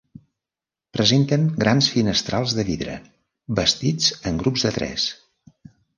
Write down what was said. Presenten grans finestrals de vidre, bastits en grups de tres.